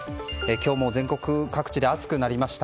今日も全国各地で暑くなりました。